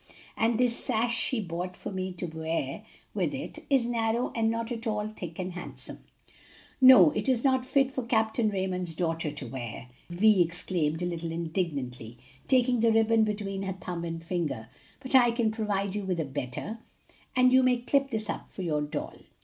And this sash she bought for me to wear with it is narrow and not at all thick and handsome." "No, it is not fit for Capt. Raymond's daughter to wear!" Vi exclaimed a little indignantly, taking the ribbon between her thumb and finger. "But I can provide you with a better, and you may cut this up for your doll."